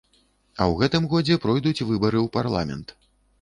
А ў гэтым годзе пройдуць выбары ў парламент.